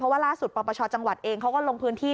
ว่าล่าสุดปปชจังหวัดเองเขาก็ลงพื้นที่